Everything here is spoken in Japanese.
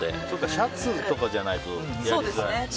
シャツとかじゃないとやりづらい。